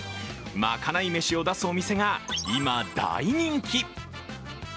まかない飯を出すお店が今、大人気。